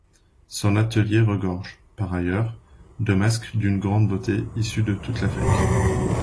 Son atelier regorge, par ailleurs, de masques d'une grande beauté issus de toute l'Afrique.